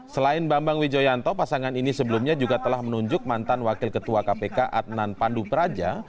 selain bambang wijoyanto pasangan ini sebelumnya juga telah menunjuk mantan wakil ketua kpk adnan pandu praja